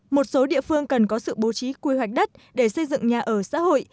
một số địa phương cần có sự bố trí quy hoạch đất để xây dựng nhà ở xã hội